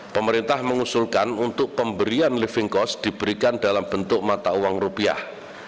pemerintah mengusulkan untuk pemberian living cost diberikan dalam bentuk mata uang rupiah